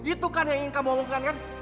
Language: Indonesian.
itu kan yang ingin kamu lakukan kan